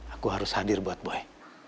aku harus hadir buat boy